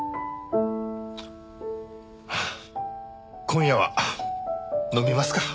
今夜は飲みますか。